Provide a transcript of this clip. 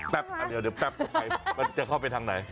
แปะอันเดียวมันจะเข้าไปทางไหน